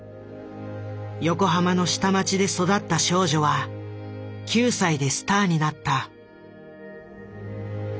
横浜の下町で育った少女は９歳でスターになった。